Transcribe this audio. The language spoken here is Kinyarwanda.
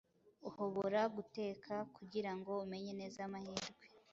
uhobora guteka kugirango umenye neza amahirwe